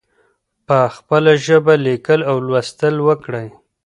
په خپله ژبه لیکل او لوستل وکړئ.